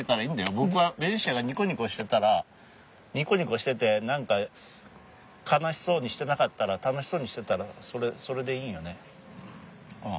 僕はベニシアがニコニコしてたらニコニコしてて何か悲しそうにしてなかったら楽しそうにしてたらそれでいいんよねうん。